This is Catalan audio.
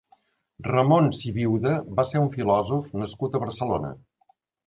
Ramon Sibiuda va ser un filòsof nascut a Barcelona.